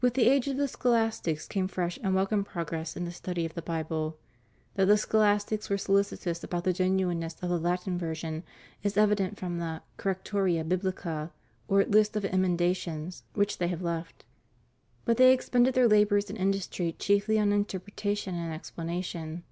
With the age of the scholastics came fresh and welcome progress in the study of the Bible. That the scholastics were solicitous about the genuineness of the Latin version is evident from the Correctoria Biblica, or list of emendations, which they have left. But they ex pended their labors and industry chiefly on interpretation and explanation.